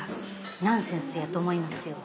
ナンセンスやと思いますよ。